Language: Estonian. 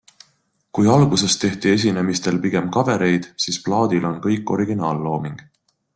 Kui alguses tehti esinemistel pigem kavereid, siis plaadil on kõik originaallooming.